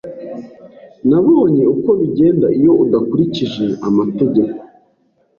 Nabonye uko bigenda iyo udakurikije amategeko.